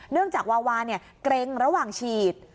จากวาวาเกร็งระหว่างฉีด